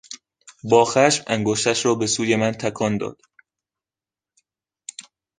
با خشم انگشتش را به سوی من تکان داد.